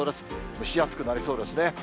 蒸し暑くなりそうですね。